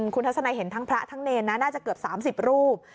คุณทัศนัยเห็นทั้งพระทั้งเนรนะน่าจะเกือบ๓๐รูป